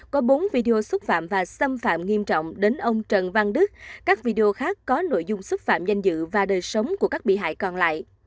có bốn video xúc phạm và xâm phạm nghiêm trọng đến ông trần văn đức các video khác có nội dung xúc phạm danh dự và đời sống của các bị hại còn lại